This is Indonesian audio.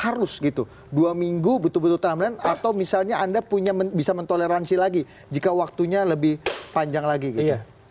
harus gitu dua minggu betul betul timeline atau misalnya anda punya bisa mentoleransi lagi jika waktunya lebih panjang lagi gitu